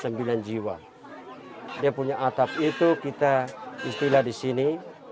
bekerja bergotong royeng sesuai dengan tradisi adat yang berlaku disini